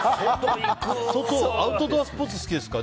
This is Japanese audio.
アウトドアスポーツ好きですか。